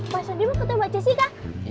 mas randy mau ketemu mbak jessica